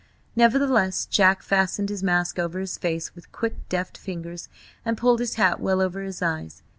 Nevertheless, Jack fastened his mask over his face with quick, deft fingers, and pulled his hat well over his eyes.